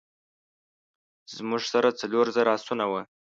زموږ سره څلور زره آسونه وه.